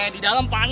di dalam panas bang